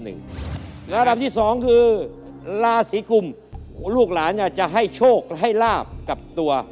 ระดับที่๒คือราศีกุมลูกหลานจะให้โชคให้ลาบกับตัว